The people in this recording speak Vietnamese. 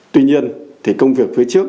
tuy nhiên thì công việc phía trước